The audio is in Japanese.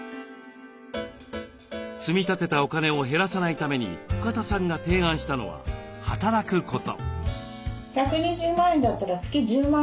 積み立てたお金を減らさないために深田さんが提案したのは働くこと。